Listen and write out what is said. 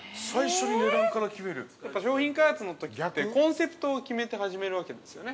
やっぱり、商品開発のときってコンセプトを決めて始めるわけですよね。